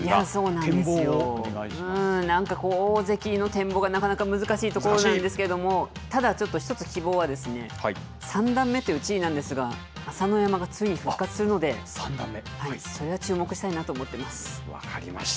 なんかこう大関の展望がなかなか難しいところなんですけれども、ただ、ちょっと一つ希望はですね、三段目という地位なんですが、朝乃山がついに復活するので、それは注目したいなと思ってます。